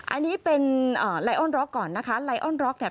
อันนี้เป็นไลออนร็อกก่อนนะคะไลออนร็อกเนี่ย